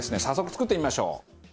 早速作ってみましょう。